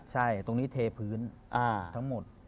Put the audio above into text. ใช่ตรงนี้เทพื้นทั้งหมด